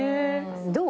どう？